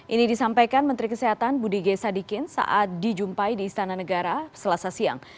ini disampaikan menteri kesehatan budi g sadikin saat dijumpai di istana negara selasa siang